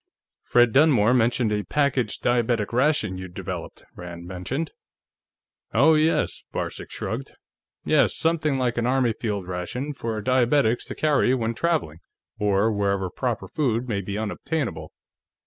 "Fred Dunmore mentioned a packaged diabetic ration you'd developed," Rand mentioned. "Oh, yes." Varcek shrugged. "Yes. Something like an Army field ration, for diabetics to carry when traveling, or wherever proper food may be unobtainable.